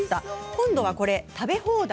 今度は、なんと食べ放題。